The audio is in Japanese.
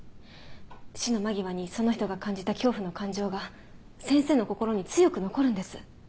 死の間際にその人が感じた恐怖の感情が先生の心に強く残るんです。